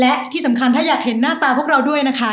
และที่สำคัญถ้าอยากเห็นหน้าตาพวกเราด้วยนะคะ